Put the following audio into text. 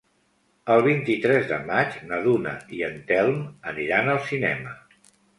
El vint-i-tres de maig na Duna i en Telm aniran al cinema.